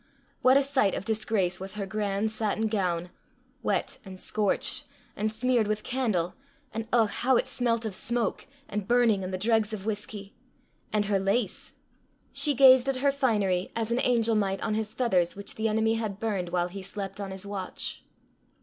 What a sight of disgrace was her grand satin gown wet, and scorched, and smeared with candle! and ugh! how it smelt of smoke and burning and the dregs of whisky! And her lace! She gazed at her finery as an angel might on his feathers which the enemy had burned while he slept on his watch.